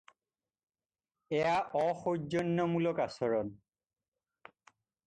এয়া অসৌজন্যমূলক আচৰণ।